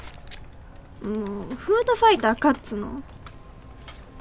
もうフードファイターかっつーの！